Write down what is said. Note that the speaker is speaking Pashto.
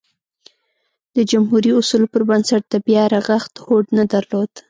د جمهوري اصولو پربنسټ د بیا رغښت هوډ نه درلود.